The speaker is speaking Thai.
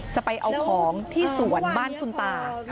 จะเอาของที่สวนบ้านคุณตา